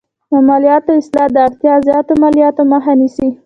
د مالیاتو اصلاح د اړتیا زیاتو مالیاتو مخه نیسي.